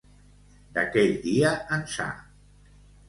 D'aquell dia ençà.